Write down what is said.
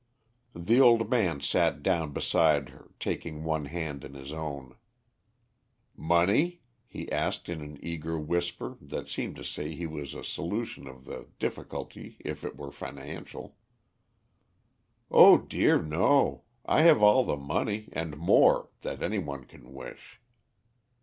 The old man sat down beside her, taking one hand in his own. "Money?" he asked in an eager whisper that seemed to say he saw a solution of the difficulty if it were financial. "Oh dear no. I have all the money, and more, that anyone can wish."